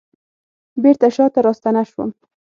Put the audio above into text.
بیرته شاته راستنه شوم